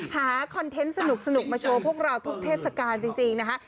คอนเทนต์สนุกมาโชว์พวกเราทุกเทศกาลจริงนะคะ